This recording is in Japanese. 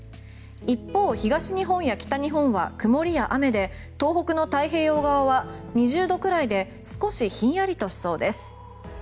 一方、東日本や北日本は曇りや雨で東北の太平洋側は２０度くらいで少しひんやりとしそうです。